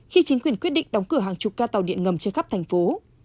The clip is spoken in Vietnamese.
khi chính quyền quyết định đóng cửa hàng chục ca tàu điện ngầm trên khắp thành phố